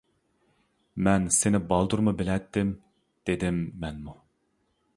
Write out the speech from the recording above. — مەن سېنى بالدۇرمۇ بىلەتتىم، — دېدىم مەنمۇ.